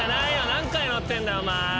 何回乗ってんだよお前。